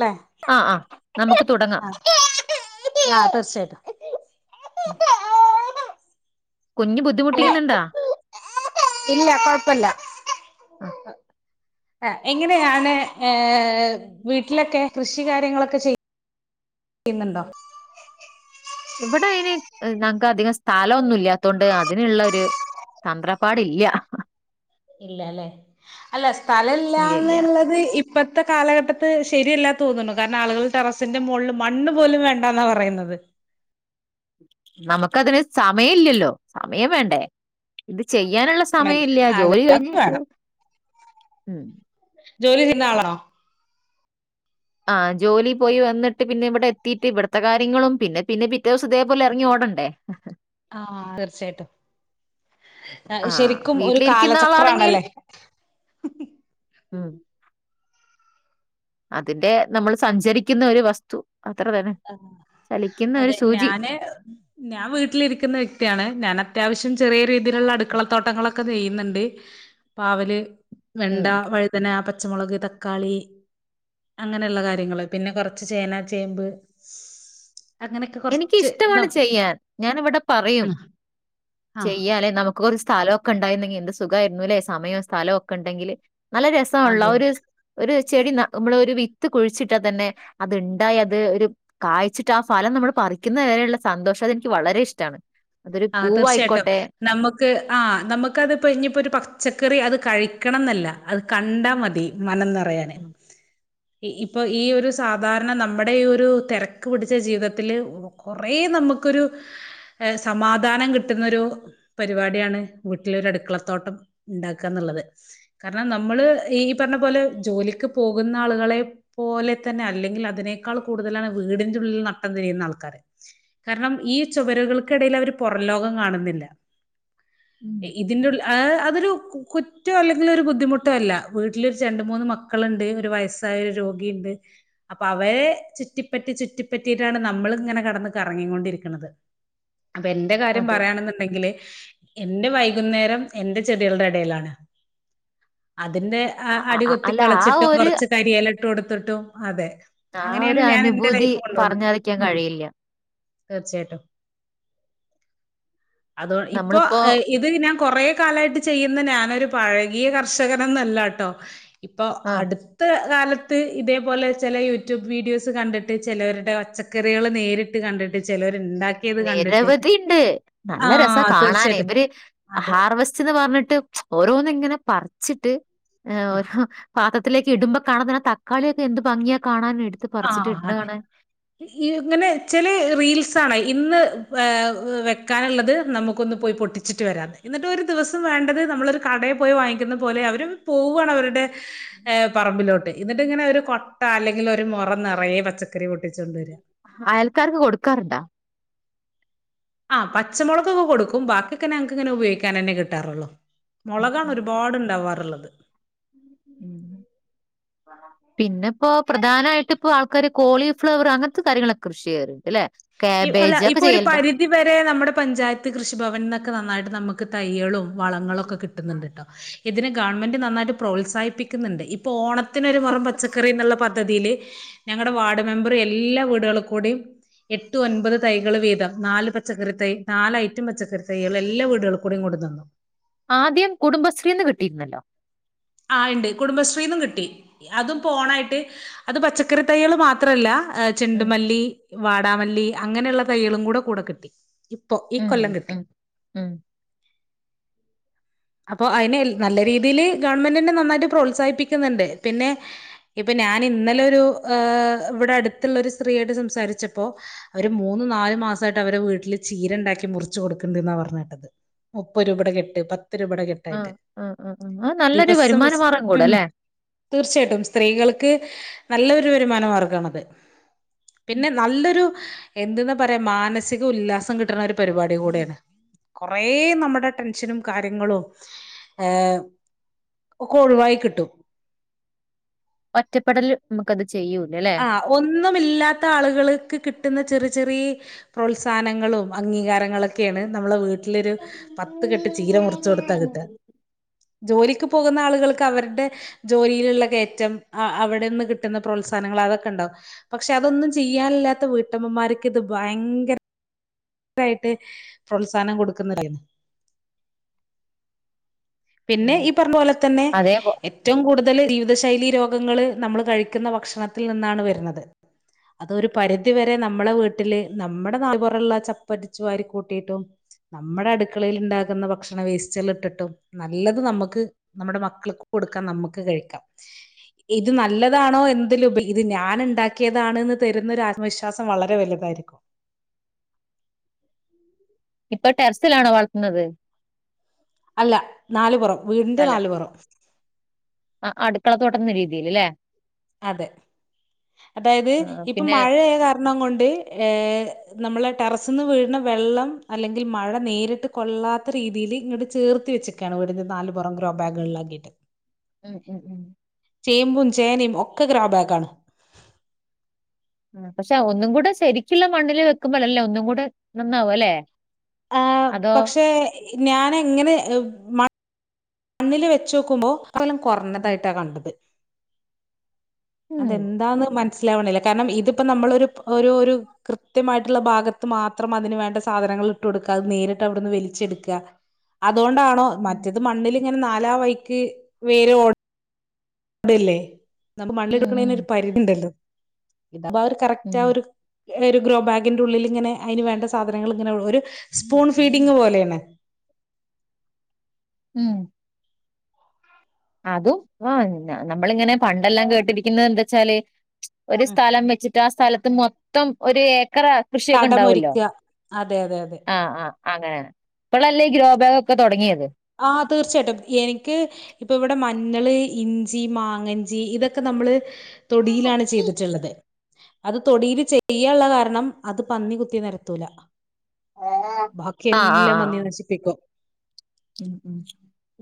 ലേ. ആഹ് ആഹ് നമുക്ക് തുടങ്ങാം. ആഹ് തീർചയായിട്ടും. ഉം കുഞ്ഞ് ഏ ബുദ്ധിമുട്ടിക്കുന്നുണ്ടോ. ഇല്ല കൊഴപ്പല്ല. [inaudible] ആ എങ്ങനെയാണ് ഏ വീട്ടിലൊക്കെ കൃഷി കാര്യങ്ങളൊക്കെ ചെയ് യ്യ്ന്നുണ്ടോ. ഇവിടെ അതിന് ങ്ങക്ക് അധികം സ്ഥലൊന്നും ഇല്ലാത്തൊണ്ട് അതിനുള്ള ഒരു തന്ത്രപ്പാടില്ല ഇല്ല അല്ലെ അല്ല സ്ഥല ഇല്ല ഇല്ല ഇല്ലാന്നുള്ളത് ഇപ്പത്തെ കാലഘട്ടത്ത് ശരിയല്ല തോന്നുന്നു കാരണം ആളുകൾ ടെറസിന്റെ മുകളിൽ മണ്ണ് പോലും വേണ്ടാന്നാ പറയുന്നത് നമുക്ക് അതിന് സമയം ഇല്ലല്ലോ സമയം വേണ്ടേ ഇത് ചെയ്യാനുള്ള അതെ സമയം ഇല്ല ജോലി അത് കഴിഞ്ഞിട്ട് വേണം ഉം ജോലി ചെയ്യുന്ന ആളാണോ ആഹ് ജോലി പോയിന്നിട്ട് പിന്നെ ഇവിടെ എത്തിട്ട് ഇവിടുത്തെ കാര്യങ്ങളും പിന്ന പിന്ന പിറ്റ്യേ ദിവസം ഇതേപോലെ ഇറങ്ങി ഓടണ്ടേ [inaudible] ആഹ് തീർച്ചയായിട്ടും ആഹ് ശരിക്കും ഒരു വീട്ടിലിരിക്കുന്ന കാലചക്ര ആളാണെങ്കിൽ ആണല്ലേ ഉം അതിന്റെ നമ്മൾ സഞ്ചരിക്കുന്ന ഒരു വസ്തു അത്ര തന്നെ ആഹ് ചലിക്കുന്ന ഒരു അതെ സൂചി ഞാന് ഞാൻ വീട്ടിലിരിക്കുന്ന വ്യക്തിയാണ് ഞാൻ അത്യാവശ്യം ചെറിയ രീതിയിലുള്ള അടുക്കളത്തോട്ടങ്ങളൊക്കെ നെയ്യുന്നുണ്ട് പാവല് വെണ്ട ഉം വഴുതന പച്ചമുളക് തക്കാളി അങ്ങനെയുള്ള കാര്യങ്ങള്ൾ പിന്നെ കൊറച്ച് ചേന ചേമ്പ് അങ്ങനെയൊക്കെ എനിക്ക് കൊറച്ച് ഇതാ ഇഷ്ടമാണ് ചെയ്യാൻ ഞാൻ ഇവിടെ പറയും ആഹ് ചെയ്യാലെ നമുക്ക് ഒരു സ്ഥലൊക്കെ ഉണ്ടായിരുന്നെങ്കിൽ എന്ത് സുഖായിരുന്നല്ലേ സമയോ സ്ഥലമൊക്കെ ഉണ്ടെങ്കില് നല്ല രസാനള്ളോ അതെ അതെ ഒരു ഒരു ചെടി ന നമ്മള് ഒരു വിത്ത് കുഴിച്ചിട്ടാ തന്നെ അത്ണ്ടായ അത് ഒരു കായ്ച്ചിട്ട് ആ ഫലം നമ്മൾ പറിക്കുന്ന വരെയുള്ള സന്തോഷം അതെനിക്ക് വളരെ ഇഷ്ടമാണ് അതൊരു ആ തീർച്ചയായിട്ടും. പൂവായിക്കോട്ടെ നമുക്ക് ആ നമുക്ക് അതിപ്പോ ഇനിപ്പോ ഒരു പച്ചക്കറി അത് കഴിക്കണം എന്നല്ല അത് കണ്ടാ മതി മനം നിറയാന് ഉം. ഇപ്പൊ ഈ ഒരു സാധാരണ നമ്മുടെ ഈ ഒരു തിരക്ക് പിടിച്ച ജീവിതത്തില് കുറേ നമുക്കൊരു ഏഹ് സമാധാനം കിട്ടുന്നൊരു പരിപാടിയാണ് വീട്ടിലരു അടുക്കളത്തോട്ടം ഉണ്ടാക്കുക എന്നുള്ളത് കാരണം നമ്മള് ഈ പറഞ്ഞ പോലെ ജോലിക്ക് പോകുന്ന ആളുകളെ പോലെ തന്നെ അല്ലെങ്കിൽ അതിനേക്കാൾ കൂടുതലാണ് വീടിന്റെ ഉള്ളിൽ നട്ടം തിരിയുന്ന ആൾക്കാര് കാരണം ഈ ചുവരുകൾക്കിടയിൽ അവര് പുറംലോകം കാണുന്നില്ല ഉം. ഇതിന്റെ ഉള്ളി അതൊരു കുറ്റോ അല്ലെങ്കിൽ ഒരു ബുദ്ധിമുട്ടോ അല്ല വീട്ടിലൊരു രണ്ട മൂന്ന് മക്ക മക്കളുണ്ട് ഒരു വയസ്സായ ഒരു രോഗിയുണ്ട് അപ്പൊ അവരെ ചുറ്റിപ്പറ്റി ചുറ്റിപ്പറ്റിയിട്ടാണ് നമ്മള ഇങ്ങനെ കടന്ന കറങ്ങിക്കൊണ്ടിരിക്കുന്നത് അപ്പൊ എന്റെ കാര്യം അതെ പറയാണെന്നുണ്ടെങ്കില് എന്റെ വൈകുന്നേരം എൻറെ ചെടികളുടെ ഇടയിലാണ് അതിന്റെ ആ അ- അ- അ- അടികൊത്തി അല്ല ആ കളച്ചിട്ടും ഒരു കൊറച്ച് കരില ഇട്ടും കൊടുത്തിട്ടും അതെ ആ ഒരു അങ്ങനെയാണ് ഞാൻ എന്റെ അനുഭൂതി ലൈഫ് കൊണ്ടിർന്ന പറഞ്ഞറിയിക്കാൻ കഴിയില്ല തീർച്ചയായിട്ടും അത ഇപ്പൊ നമ്മളിപ്പോ ഇ അത് ഞാൻ കൊറെ കാലായിട്ട് ചെയ്യുന്ന ഞാനൊരു പഴകിയ കർഷകനൊന്നല്ലട്ടോ ഇപ്പോ ആ അടു ത്ത കാലത്ത് ഇതേപോലെ ചില യൂട്യൂബ് വീഡിയോസ് കണ്ടിട്ട് ചിലവരുടെ ഒച്ച പചക്കറികളൾ നേരിട്ട് കണ്ടിട്ട് ചിലവരുണ്ടാക്കി നിരവധി ഉണ്ട് നല്ല രസ ആഹ് കാണാനേ തീർച്ചയായിട്ടും. ഇവര് അതെ. ഹാർവസ്റ്റ് എന്ന് പറഞ്ഞിട്ട് ഓരോന്ന്ങ്ങനെ പറ്ച്ച്ട്ട് ആഹ്. ഓരോ പാത്രത്തിലേക്ക് ഇടുമ്പോ തക്കാളിയൊക്കെ എന്ത് ഭംഗിയാ കാണാന് എ ആഹ് അതെ ഈ ഇങ്ങനെ ചെലെ റീൽസ ആണ ഇന്ന് വെക്കാനുള്ളത് നമുക്കൊന്ന് പോയി പൊട്ടി വച്ചിട്ട് വരാ എന്നിട്ട് ഒരു ദിവസം വേണ്ടത് ചിട്ട് വര ഇന്നട്ട് ഒരുദിവസം വേണ്ടത് നമ്മൾ കടയിൽ പോയി വാങ്ങിക്കുന്ന പോലെ അവർ പോവാണ് അവരുടെ യേ പറമ്പിലോട്ട് എന്നിട്ട് ഇങ്ങനെ ഒരു കൊട്ട അല്ലെങ്കിൽ ഒരു മൊറം നിറയെ പച്ചക്ക പച്ച കറി പൊട്ടിച്ചൊണ്ട വരും അയൽക്കാർക്ക് കൊടുക്കാറുണ്ടൊ ആ ഹ് പച്ചമൊളകൊക്കെ കൊടുക്കും ബാക്കിയൊക്കെ ഞങ്ങക്ക് ഇങ്ങനെ ഉപയൊഗിക്കാൻ തന്നെ കിട്ടാറൊള്ളോ ഉം മൊളകാണ് ഉം ഒരുപാടുണ്ടാവാറുള്ളത് ആഹ് പിന്നെ ഇപ്പോൊ പ്രധാനമായിട്ട് ഇപ്പൊ ആൾക്കാര് കോളിഫ്ലവർ അങ്ങനത്തെ കാര്യങ്ങളൊക്കെ കൃഷി ചെയ്യാരിക്കും അല്ലെ കേബേജ് അതൊക്കെ ചെയ്യല്ണ്ടൊ ഇതുവരെ നമ്മുടെ പഞ്ചായത്ത് കൃഷിഭവനിന്നൊക്കെ നന്നായിട്ട് നമു ക്ക് തയ്യേളും വളങ്ങളും ഒക്കെ കിട്ടുന്നുണ്ട് ട്ടോ ഇതിനെ ഗവൺമെന്റ് നന്നായിട്ട് പ്രോത്സാഹിപ്പിക്കുന്നുണ്ട് ഇപ്പൊ ഓണത്തിനൊരു മൊറം പച്ചക്കറി എന്നുള്ള പ പദ്ധതിയില് ഞങ്ങളുടെ വാർഡ് മെമ്പർ എല്ലാ വീടുകളൾ കൂടി എട്ട് ഒൻപത് തൈകൾ വീതം നാല് പച്ചക്കറി തൈ നാല് ഐറ്റം പച്ചക്കറി തൈകൾ എല്ലാ വീടുകൾ കൂടെയും കൊട് നിന്നു ആദ്യം കുടുംബശ്രീന്ന് കിട്ടിയിരുന്നല്ലോ ആ ഹ് ഉണ്ട് കുടുംബശ്രീന്നും കിട്ടി അതും പോ ഓണായിട്ട് അത് പച്ചക്കറി തയ്യകള് മാത്രല്ല ഉം ചെണ്ടുമല്ലി വാടാമല്ലി അങ്ങനെയുള്ള തയ്കളും കൂടെ കൂടെ കിട്ടി ഇപ്പൊ ഈ ഉം കൊല്ലം കിട്ടി ഉം ഉം. അപ്പൊ അതിന് നല്ല രീതിയില് ഗവൺമെന്റ് തന്നെ നന്നായിട്ട് പ്രോത്സാഹിപ്പിക്കുന്നുണ്ട് പിന്നെ ഇപ്പൊ ഞാൻ ഇന്നലെ ഒരു ഇവിടെ അടുത്തുള്ള ഒരു സ്ത്രീയായിട്ട് സംസാരിച്ചപ്പോൾ അവര് മൂന്നു നാല് മാസമായിട്ട് അവരെ വീട്ടില് ചീര ഉണ്ടാക്കി മുറിച്ചു കൊടുക്ക്ണ്ട്ന്നാ പറഞ്ഞ് കേട്ടത് മുപ്പത് രൂപയുടെ കെട്ട് പത്ത് രൂപയുടെ കെട്ടായിട്ട് ആഹ് ആഹ് ആഹ് ആഹ് നല്ലൊരു ദിവസം വരുമാന മാർഗം കൂട ഉം ല്ലേ തീർച്ചയായിട്ടും സ്ത്രീകൾക്ക് നല്ലൊരു വരുമാന മാർഗമാണത് പിന്നെ നല്ലൊരു എന്തന്നാ പറയാ മാനസിക ഉല്ലാസം കിട്ടണ ഒരു പരിപാടി കൂടെയാണ് കൊറേ നമ്മുടെ ടെൻഷനും കാര്യങ്ങളും ഏഹ് ഒക്കെ ഒഴിവായി കിട്ടും ഒറ്റപ്പെടൽല് നമുക്ക്ത് ചെയ്യൂല ല്ലേ. ആഹ് ഒന്നുമില്ലാത്ത ആളുകള്ക്ക് കിട്ടുന്ന ചെറ് ചെറ്യേ പ്രോത്സാഹനങ്ങളും അംഗീകാരങ്ങളൊക്കെയാണ് നമ്മളെ വീട്ടിലൊരു. പത്ത് കെട്ട് ചീര മുറിച്ചു കൊടുത്താ കിട്ടാ ജോലിക്ക് പോകുന്ന ആളുകള്ക്ക് അവരുടെ ജോലിയിലുള്ള കയറ്റം അവിടെന്ന് കിട്ടുന്ന പ്രോത്സാ ഹനങ്ങൾ അതൊക്കണ്ടാവും പക്ഷെ അതൊന്നും ചെയ്യാനില്ലാത്ത വീട്ടമ്മമാര്ക്ക് ഇത് ഭയങ്കര രായിട്ട് പ്രോത്സാഹനം കൊടുക്കുന്നരായി പിന്നെ ഉം ഈ പറഞ്ഞ പോലെ തന്നെ. അതേ പോ- ഏറ്റവും കൂടുതല് ജീവിതശൈലി രോഗങ്ങള് നമ്മള് കഴിക്കുന്ന ഭക്ഷണത്തിൽ നിന്നാണ് വരുന്നത്. അതൊരു പരിധിവരെ നമ്മളെ വീട്ടില് നമ്മുടെ നാട്ട് പൊറള്ള ച പ്പടിച്ചുവാരി കൂട്ടീട്ടും നമ്മടെ അടുക്കളയിൽ ണ്ടാക്കുന്ന ഭക്ഷണ വേസ്റ്റേൽ ഇട്ടിട്ടും നല്ലത് നമ്മുക്ക് നമ്മടെ മക്കള്ക്ക് കൊടുക്കാ നമ്മക്ക് കഴിക്കാം ഇത് നല്ലതാണോ എന്ത്‌ലും ഇത് ഞാൻ ണ്ടാക്കിയതാണ്ന്ന് തെരുന്നൊര വിശ്വാസം വളരെ വലുതായിരിക്കും ഇപ്പൊ ടെർസിലാണോ വളർത്തുന്നത് അല്ല നാല് പൊറം വീട്ന്റെ നാല് പൊറം ആ അട്ക്കള തോട്ടെ ന്ന രീതില്ലേ അതെ അതായത് ആ ഇപ്പൊ പിന്നെ മഴായ കാരണങൊണ്ട് ഏഹ് നമ്മളെ ടെറസ്ന്ന് വീഴ്ന്ന വെള്ളം അല്ലെങ്കിൽ മഴ നേരിട്ട് കൊള്ളാത്ത രീതീല് ഇങ്ങട്ട് ചേർത്തി വെച്ച് ക്കാണ് വീടിന്റെ നാല് പൊറം ഗ്രോ ബാഗുകളിലാക്കിട്ട് ഉം ഉം ഉം ചേമ്പും ചേനേം ഒക്കെ ഗ്രോ ബാഗാണ് അ പക്ഷെ ഒന്നും കൂടെ ശെരിക്ക്ള്ള മണ്ണില് വെക്കുമ്പളല്ലേ ഒന്നും കൂടെ നന്നാവ ല്ലേ ആ പക്ഷെ ഞാനെങ്ങനെ മ മണ്ണില് വെച്ചോക്കുമ്പോ ഇക്കൊല്ലം ഉം കൊർഞ്ഞതായിട്ട കണ്ടത് ഉം അതെന്താന്ന് മനസ്സിലാവണില്ല കാരണം ഇതിപ്പോ നമ്മളൊരു ഒരു ഒരു കൃത്യമായിട്ടുള്ള ഭാഗത്ത് മാത്രം അതിന് വേണ്ട സാധനങ്ങൾ ഇട്ട് കൊടുക്ക അത് നേരിട്ട് അവ്ട്ന്ന് വെലിച്ചെട്ക്ക അതോണ്ടാണോ ഉം മറ്റത് മണ്ണിൽങ്ങനെ നാലാ വൈക്ക് വേരോ ടല്ലേ നമ്മക്ക് ഉം ഉം മണ്ണില്ട്ടൊട്ക്ക്ണേനൊരു പരിധി ണ്ടല്ലോ ഇതാവുമ്പോ കറക്റ്റാ ഉം. ആ ഒരു ഒര് ഗ്രോ ബാഗിന്റെ ഉള്ളില്ങ്ങനെ അയിന് വേണ്ട സാധനങ്ങള് ങ്ങനെ ഒരു സ്പൂൺ ഫീഡിങ് പോലേണ് ഉം അതും ആ നമ്മളിങ്ങനെ പണ്ടെല്ലാം കേട്ടിരിക്കുന്നത് എന്താച്ചാല് ഒര് സ്ഥലം വെച്ച്ട്ട് ട്ടാ സ്ഥലത്ത് മൊത്തം ഒര് ഏക്കറ കൃഷിയൊക്കെണ്ടാവല്ലോ തടമൊരുക്കുക അതെ അതെ അതെ ആഹ് ആഹ് അങ്ങനെ പ്പളല്ലേ ഈ ഗ്രോബാഗൊക്കെ തൊടങ്യേത് ആഹ് തീർച്ചയായിട്ടും എനിക്ക് ഇപ്പൊ ഇവടെ മഞ്ഞള്, ഇഞ്ചി, മാങ്ങഞ്ചി ഇതൊക്കെ നമ്മള് തൊടിയിലാണ് ചെയ്ത്ട്ട്ള്ളത് അത് തൊടീല് ചെയ്യാള്ള കാരണം അത് പന്നി കുത്തി നെരത്തൂല ആഹ് ആഹ് ബാക്കിയെല്ലം ആഹ് പന്നി നശിപ്പിക്കും ഉം ഉം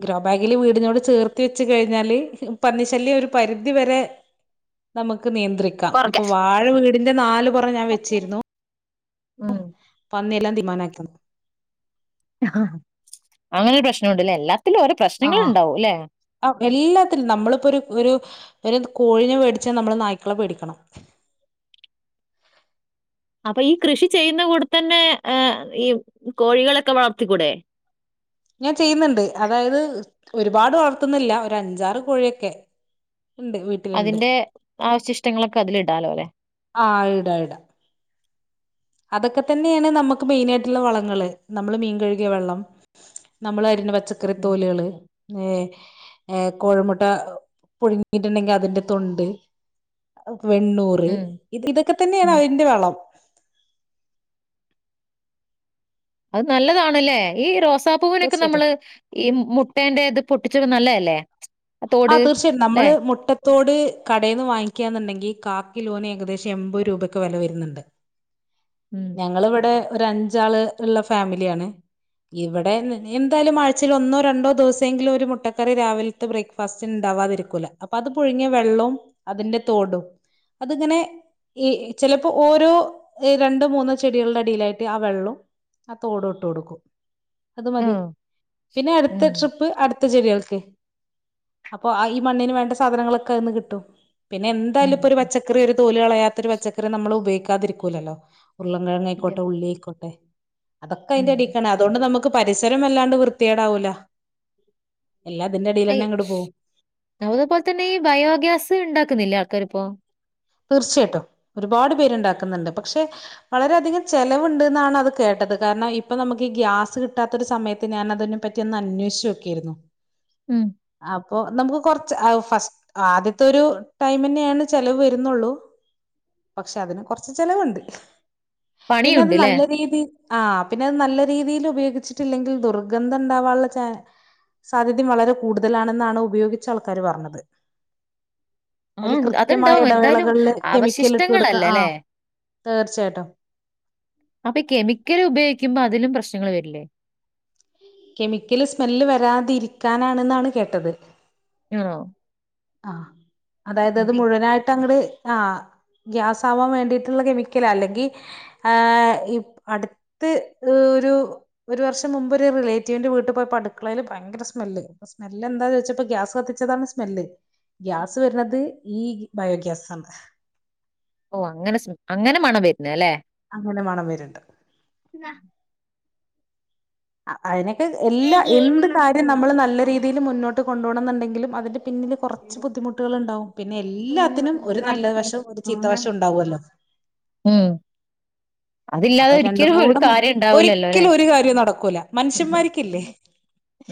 ഗ്രോബാഗില് വീട്നോട് ചേർത്തി വെച്ച് കഴിഞ്ഞാല് പന്നിശല്യം ഒരു പരിധി വെരെ നമുക്ക് നിയന്ത്രിക്കാം ഇപ്പൊ കൊറക്കാം വാഴ വീടിന്റെ നാല് പുറ ഞാൻ വെച്ചിരുന്നു. ആഹ് [unintelligible] ആഹ് അങ്ങനൊര് പ്രശ്‌നുണ്ട്ലെ എല്ലാത്തിലും ഓരോ പ്രശ്നങ്ങള്ണ്ടാവും ലെ ആ എല്ലാത്തിനും നമ്മളിപ്പോ ഒരു ഒരു ഒരു കോഴിനെ വേടിച്ച നമ്മള് നായ്ക്കളെ പേടിക്കണം അപ്പൊ ഈ കൃഷി ചെയ്യുന്ന കൂടത്തെന്നെ എ ഈ കോഴികളൊക്കെ വളർത്തിക്കൂടെ ഞാൻ ചെയ്യ്ന്ന്ണ്ട് അതായത് ഒരുപാട് വളർത്തുന്നില്ല ഒരഞ്ചാറ് കോഴിയൊക്കെ ണ്ട് വീ അതിന്റെ അവശിഷ്ടങ്ങളൊക്കെ അതിലിടാലോലേ ആഹ് ഇടാ ഇടാ അതൊക്കെത്തെന്നെണ് നമ്മക്ക് മെയിനായിട്ടുള്ള വളങ്ങള് നമ്മള് മീൻ കെഴുകിയ വെള്ളം നമ്മളരിയ്ണ പച്ചക്കറി ഉം തോലാള് ഏ ഏഹ് കോഴിമുട്ട പുഴുങ്ങിട്ട്ണ്ടെങ്കി അതിന്റെ തൊണ്ട് അഹ് വെണ്ണൂറ് ഉം ഇത് ഇതൊക്കെ തന്നെയാണ് ഉം. അതിന്റെ വളം അത് നല്ലതാണ്ല്ലേ ഈ റോസാപ്പൂവിനൊക്കെ തീർച്ചയായിട്ടും നമ്മള് ഈ മുട്ടേന്റേത് പൊട്ടിച്ചിട്ന്നെ നല്ലതല്ലേ ആ തോട് ആഹ് തീർച്ചയായിട്ടും ല്ലെ നമ്മള് മുട്ട ത്തോട് കടേന്ന് വാങ്ങിക്കാന്നുണ്ടെങ്കി കാക്കിലോന് ഏകദേശം എമ്പത് രൂപൊക്കെ വെല വെരുന്നുണ്ട് ഉം ഞങ്ങളിവിടെ ഒരഞ്ചാള് ഇള്ള ഫാമിലിയാണ് ഇവിടെ എന്തായാലും ആഴ്ചേലൊന്നോ രണ്ടോ ദിവസെങ്കിലും ഒരു മുട്ടക്കറി രാവിലെ ത്തെ ബ്രേക്ക്ഫാസ്സ്റ്റിന്ണ്ടാവാതിരിക്കൂല അപ്പൊ അത് പുഴുങ്ങിയ വെള്ളോം അതിന്റെ തോടും അത്ങ്ങനെ ഈ ചിലപ്പോ ഓരോ ഏഹ് രണ്ടോ മൂന്നോ ചെടികൾടെ അടിയിലായിട്ട് ആഹ് വെള്ളോം ആഹ് തോടും ഇട്ട് കൊടുക്കും അത് മതി ആഹ് പിന്നെ അട്ത്ത ഉം ട്രിപ്പ് അടുത്ത ചെടികൾക്ക് അപ്പൊ ആഹ് ഈ മണ്ണിന് വേണ്ട സാധനങ്ങളൊക്കെ അതിന്ന് കിട്ടും ഉം പിന്നെന്തായാലും ഇപ്പൊരു ഉം പച്ച ക്കറി ഒരു തോല് കളയാത്തൊരു പച്ചക്കറി നമ്മളുപയോഗിക്കാതിരിക്കൂലല്ലോ ഉരുളം ഇല്ല. കെഴങ്ങായ്ക്കോട്ടെ ഉള്ളി ആയ്ക്കോട്ടെ അതൊക്കെ ഉം. അയ്ന്റടീക്കാണ് അതുകൊണ്ട് നമു ക്ക്‌ പരിസരം വല്ലാണ്ട് വൃത്തിയേടാവൂല്ല എല്ലാ അയ് അതപോലെ തന്നെ ഈ ബയോഗ്യാസ്ണ്ടാക്കുന്നില്ലേ ആൾക്കാരിപ്പോ തീർച്ചയായിട്ടും ഒരുപാട് പേരുണ്ടാക്കുന്നുണ്ട് പക്ഷെ വളരെയധികം ചെലവുണ്ട്ന്നാണ് അത് കേട്ടത് കാരണം ഇപ്പം നമുക്ക് ഈ ഗ്യാസ് കിട്ടാത്ത ഒരു സമയത്ത് ഞാനതിന് പറ്റിയൊന്നന്വേഷിച്ചോക്ക്യാരുന്നു ഉം അപ്പൊ നമുക്ക് കൊർച്ച് ആഹ് ഫസ് ആദ്യത്തൊരു ടൈമെന്നെയാണ് ചെലവ് വരുന്നുള്ളൂ പക്ഷെ അതിന് കൊറച്ച് ചെലവ്ണ്ട് പിന്നത് പണിയുണ്ട്‌ല്ലേ? നല്ല രീതി ആഹ് പിന്നത് നല്ല രീതിയിലുപയോഗിച്ചിട്ടില്ലെങ്കിൽ ദുർഗന്ധണ്ടാൻള്ള ചാ സാധ്യതേം വളരെ കൂടുതലാണെന്നാണ് ഉപയോഗിച്ചാൾക്കാര് പറഞ്ഞത് അയില് ആഹ് കൃത്യമായ അതുണ്ടാവും എന്തായാലും ഇടവേളകളില് കെമിക്കല്ട്ട് കൊടുക്കണം അവശിഷ്ടങ്ങളല്ലല്ലേ? ആഹ് തീർച്ചയായിട്ടും അപ്പീ കെമിക്കലുപയോഗിക്കുമ്പോ അതിലും പ്രശ്നങ്ങള് വരില്ലേ കെമിക്കല് സ്മെല്ല് വരാതിരിക്കാനാണെന്നാണ് കേട്ടത് ആഹ് ആഹ് അതായതത് മുഴുവനായിട്ടങ്ങട് ആഹ് ഗ്യാസാവാൻ വേണ്ടിയിട്ടുള്ള കെമിക്കലാ അല്ലെങ്കി ആഹ് ഇവ് അടുത്ത് ഒരു ഒരു വർഷം മുമ്പൊരു റിലേറ്റീവിന്റെ വീട്ട് പോയപ്പടുക്കളയില് ഭയങ്കര സ്മെല്ല് സ്മെല്ലെന്താ ചോയ്ച്ചപ്പോ ഗ്യാസ് കത്തിച്ചതാണ് സ്മെല്ല് ഗ്യാസ് വര്ണത് ഈ ബയോഗ്യാസാണ് ഓഹ് അങ്ങനെ സ്മെ അങ്ങനെ മണം വരുന്നതല്ലെ അങ്ങനെ മണം വെര്ണ്ട് [unintelligible] അഹ് അയ്നൊക്കെ എല്ലാ എന്ത് കാര്യം നമ്മള് നല്ല രീ തീല് മുന്നോട്ട് കൊണ്ടുപോണോന്ന്ണ്ടെങ്കിലും അതിന്റെ പിന്നില് കൊറച്ച് ബുദ്ധിമുട്ടുകള്ണ്ടാവും പിന്നെ എല്ലാത്തിനും ഒരു നല്ല വശം ഒരു ചീത്തവശം ഉണ്ടാവ്വല്ലോ ഉം അതില്ലാതെ അപ്പ രണ്ടും ഒരിക്കലും ഒരു കൂടെ കാര്യം ഉണ്ടാവൂലല്ലോല്ലേ? ഒരിക്കലും ഒരു കാര്യോം നടക്കൂലാ മനുഷ്യന്മാര്ക്കില്ലേ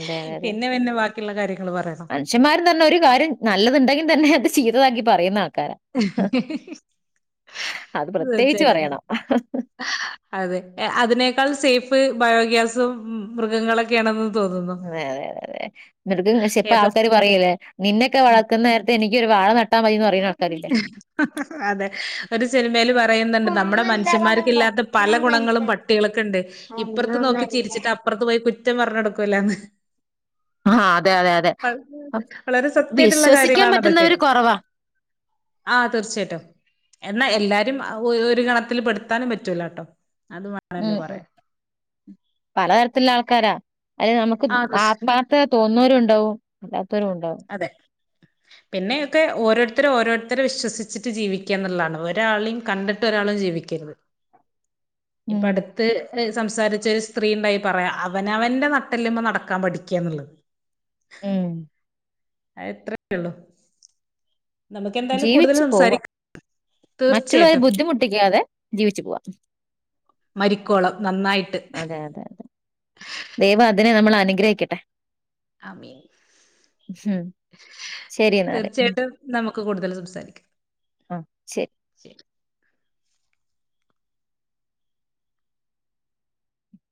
അതെ പിന്നെ പിന്നെ ബാക്കിള്ള കാര്യങ്ങള് പറയണം. മനുഷന്മാരും തന്നെ ഒരു കാര്യം നല്ലത്ണ്ടെങ്കിൽ തന്നെ അത് ചീത്തതാക്കി പറയുന്ന ആൾക്കാരാ. അത് പ്രത്യേകിച്ച് തീർച്ചയായിട്ടും പറയണം. അതെ അതിനേക്കാൾ സേഫ് ബയോഗ്യാസും മൃഗങ്ങള് ഒക്കെയാണെന്ന് തോന്നുന്നു. അതെ അതെ അതെ അതെ. മൃഗങ് പക്ഷെ ഇപ്പ ഏത് ആൾക്കാര് പറയുല്ലേ നിന്നെക്കെ ഉം. വളർക്കുന്ന നേരത്തെ എനി ക്ക്യൊരു വാഴ നട്ടാ മതീന്ന് പറിണ. അതെ. ഒരു സിനിമേല് പറയുന്ന്ണ്ട്. നമ്മുടെ മനുഷ്യന്മാർക്കില്ലാത്ത പല ഗുണങ്ങളും പ ട്ടികൾക്ക് ണ്ട്. ഇ പ്പർത്ത് നോക്കി ചിരിച്ചിട്ട് അപ്പുറത്ത് പോയി കുറ്റം പറഞ്ഞൊടുക്കൂല്ലാന്ന്. ആ അതെ അതെ അതെ വളരെ സത്യായിട്ടുള്ള വിശ്വസിക്കാൻ കാര്യങ്ങളാണതൊക്കെ. പറ്റുന്നവര് കുറവാ ആഹ് തീർച്ചയായിട്ടും. എന്നാൽ എല്ലാരും അ ഒഒരു ഗണത്തിൽ പെടുത്താനും പറ്റൂലാ ട്ടോ. അതും വാ ഉം ഉം. പലതരത്തില്ല ആൾക്കാരാ. അതെ. നമുക്ക് ആഹ് തീർച്ച ആത്മാർത്ഥ തോന്നുന്നവരു ഉണ്ടാവും അല്ലാത്തവരും ഉണ്ടാവും. പിന്നെയൊക്കെ ഓരോരുത്തരും ഓരോരുത്തരെ വിശ്വസിച്ചിട്ട് ജീവിക്ക്യ എന്നുള്ളതാണ്. ഒരാളിം കണ്ടിട്ട് ഒരാളും ജീവിക്കരുത്. ഇപ്പ ഉം അടുത്ത് എഹ് സംസാരിച്ച ഒരു സ്ത്രീ ഉണ്ടായി പറയാ അവനവന്റെ ന ട്ടെല്ല്മ്മ നടക്കാൻ പഠിക്ക്യാ എന്നുള്ളത്. ഉം അഎത്രേ [unintelligible] ള്ളൂ ജീവിച്ചു പോവാ. സംസാരിക്കാം മറ്റുള്ളവരെ തീർച്ചയായിട്ടും ബുദ്ധിമുട്ടിക്കാതെ ജീവിച്ചു പോവാ. മരിക്കോളം നന്നായിട്ട് അതെ അതെ അതെ. ദൈവം അതിന് നമ്മളെ അനുഗ്രഹിക്കട്ടെ. ആമീൻ. ഉം ശരി എന്നാല് ഉം തീർച്ചയായിട്ടും നമുക്ക് കൂടുതൽ സംസാരിക്കാ. ആഹ് ശരി.